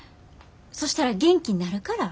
そしたら元気になるから。